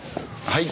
はい。